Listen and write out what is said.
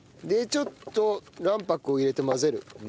でちょっと卵白を入れて混ぜる。